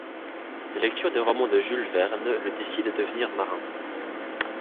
La lecture des romans de Jules Verne le décide à devenir marin.